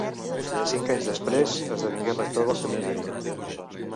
Cinc anys després esdevingué rector del seminari.